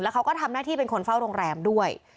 เขาก็ทำหน้าที่เป็นคนเฝ้าโรงแรมด้วย